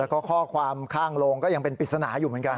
แล้วก็ข้อความข้างโรงก็ยังเป็นปริศนาอยู่เหมือนกัน